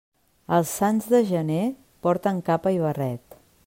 Els sants de gener porten capa i barret.